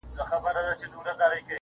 د غلا خبري پټي ساتي